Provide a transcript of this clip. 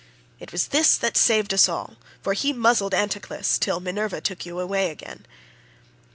It was this that saved us all, for he muzzled Anticlus till Minerva took you away again."